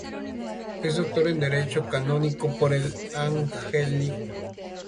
Es doctor en Derecho Canónico por el Angelicum.